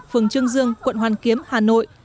phường trương dương quận hoàn kiếm hà nội